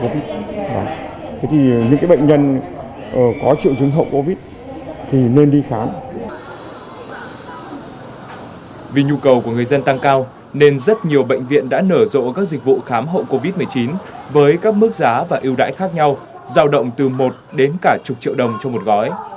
vì nhu cầu của người dân tăng cao nên rất nhiều bệnh viện đã nở rộ các dịch vụ khám hậu covid một mươi chín với các mức giá và ưu đãi khác nhau giao động từ một đến cả chục triệu đồng cho một gói